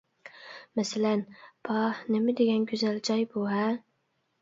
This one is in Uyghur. مەسىلەن: پاھ، نېمىدېگەن گۈزەل جاي بۇ-ھە!